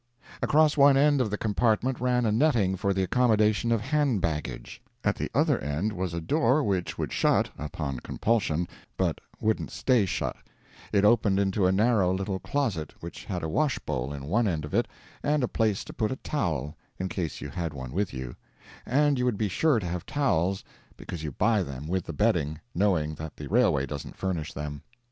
Across one end of the compartment ran a netting for the accommodation of hand baggage; at the other end was a door which would shut, upon compulsion, but wouldn't stay shut; it opened into a narrow little closet which had a wash bowl in one end of it, and a place to put a towel, in case you had one with you and you would be sure to have towels, because you buy them with the bedding, knowing that the railway doesn't furnish them.